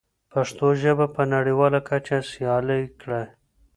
پښتو ژبه په نړیواله کچه سیاله کړئ.